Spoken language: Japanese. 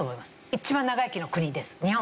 一番長生きの国です日本。